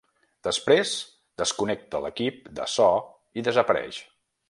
Després desconnecta l'equip de so i desapareix.